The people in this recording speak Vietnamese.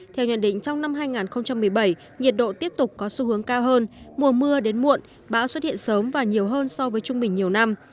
theo nhận định trong năm hai nghìn một mươi bảy nhiệt độ tiếp tục có xu hướng cao hơn mùa mưa đến muộn bão xuất hiện sớm và nhiều hơn so với trung bình nhiều năm